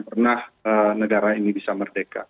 pernah negara ini bisa merdeka